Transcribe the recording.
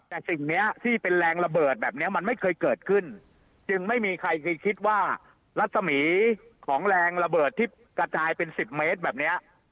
แต่สิ่งนี้ที่เป็นแรงระเบิดแบบนี้มันไม่เคยเกิดขึ้นจึงไม่มีใครเคยคิดว่ารัศมีของแรงระเบิดที่กระจายเป็น๑๐เมตรแบบนี้